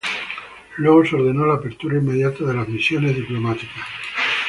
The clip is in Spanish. Luego se ordenó la apertura inmediata de las misiones diplomáticas.